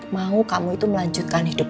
mau kamu itu melanjutkan hidup